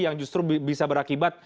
yang justru bisa berakibat